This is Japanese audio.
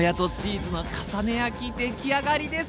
出来上がりです！